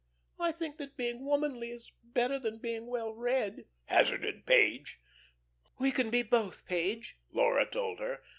"I think that being womanly is better than being well read," hazarded Page. "We can be both, Page," Laura told her.